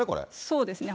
そうですね。